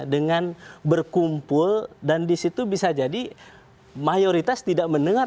dengan berkumpul dan disitu bisa jadi mayoritas tidak mendengar